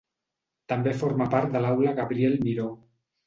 També formà part de l'Aula Gabriel Miró.